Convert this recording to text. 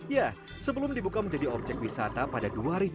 ya sebelum dibuka menjadi objek wisata pada dua ribu dua puluh